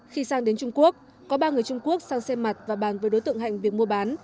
khi sang đến trung quốc có ba người trung quốc sang xem mặt và bàn với đối tượng hạnh việc mua bán